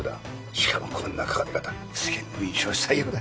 しかもこんな書かれ方世間の印象は最悪だ！